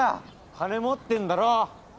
金持ってんだろ。